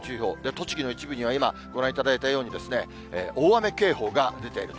栃木の一部には、今、ご覧いただいたように、大雨警報が出ています。